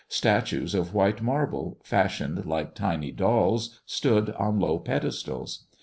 Statues of white marble, fashioned like tiny dolls, stood on low pedestals.